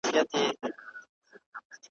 او د اعتیاد پړه یې ,